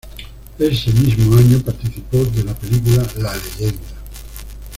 Ese mismo año participó de la película "La leyenda".